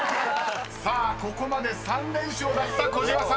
［さあここまで３連勝だった児嶋さん